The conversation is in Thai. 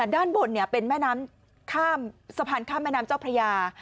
ด้านบนเป็นแม่น้ำข้ามสะพานข้ามแม่น้ำเจ้าพระยา